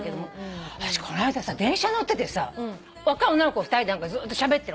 私この間さ電車乗っててさ若い女の子２人でずーっとしゃべってる。